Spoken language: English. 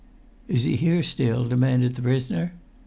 "Is he here still?" demanded the prisoner.